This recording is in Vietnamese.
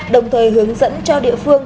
đồng thời hướng dẫn cho địa phương